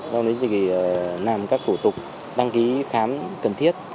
sau đấy thì làm các thủ tục đăng ký khám cần thiết